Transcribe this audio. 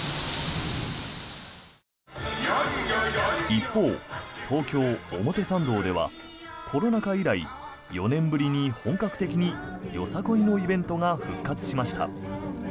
一方、東京・表参道ではコロナ禍以来４年ぶりに本格的によさこいのイベントが復活しました。